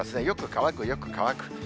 よく乾く、よく乾く。